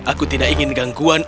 aku tidak ingin gangguan